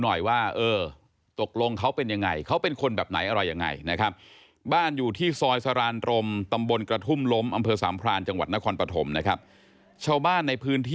เพราะฉะนั้นมันเป็นอีกเรื่องหนึ่งแล้วต้องว่ากันไปตามการให้การของเด็กว่าเกิดอะไรขึ้น